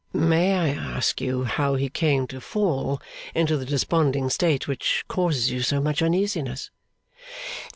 'May I ask you how he came to fall into the desponding state which causes you so much uneasiness?